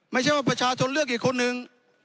ไม่ใช่ว่าประชาชนเลือกอีกคนนึง